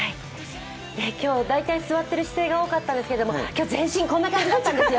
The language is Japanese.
今日、だいたい座っている姿勢が多かったんですけど、今日は全身、こんな感じだったんですよ。